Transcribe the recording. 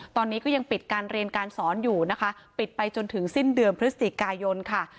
ตอนนี้ก็ยังปิดการเรียนการสอนอยู่นะคะปิดไปจนถึงสิ้นเดือนพฤศจิกายนค่ะ